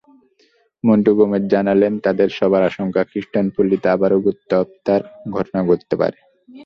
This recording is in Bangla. মন্টু গোমেজ জানালেন, তাঁদের সবার আশঙ্কা, খ্রিষ্টানপল্লিতে আবারও গুপ্তহত্যার ঘটনা ঘটতে পারে।